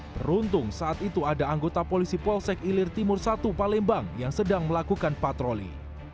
beruntung saat itu ada anggota polisi polsek ilir timur satu palembang yang sedang melakukan patroli